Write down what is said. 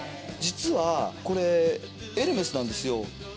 実はこれエルメスなんですよ。